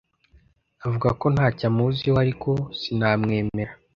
avuga ko ntacyo amuziho, ariko sinamwemera